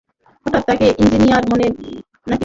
হঠাৎ করে ইঞ্জিনিয়ার বনে গেলে নাকি?